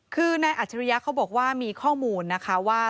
คือนายอัจฉริยะเขาบอกว่ามีข้อมูลนะคะว่า